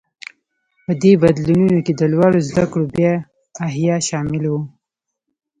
په دې بدلونونو کې د لوړو زده کړو بیا احیا شامل و.